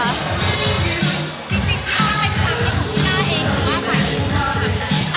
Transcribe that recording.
จริงนี่มันเป็นความผิดของพี่ต้าเองหรอคะ